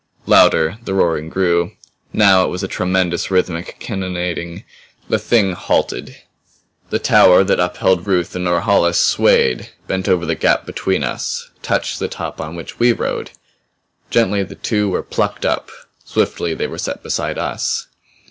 Louder the roaring grew. Now it was a tremendous rhythmic cannonading. The Thing halted. The tower that upheld Ruth and Norhala swayed, bent over the gap between us, touched the top on which we rode. Gently the two were plucked up; swiftly they were set beside us.